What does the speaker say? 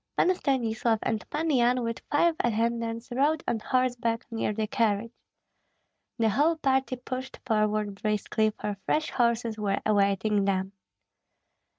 Pan Stanislav and Pan Yan with five attendants rode on horseback near the carriage. The whole party pushed forward briskly, for fresh horses were awaiting them.